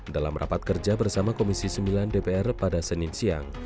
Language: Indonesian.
dalam rapat kerja bersama komisi sembilan dpr pada senin siang